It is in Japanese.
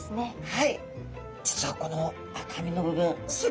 はい。